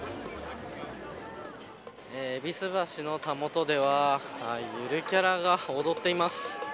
戎橋のたもとではゆるキャラが踊っています。